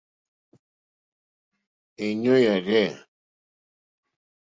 Èɲú yà rzɛ̂.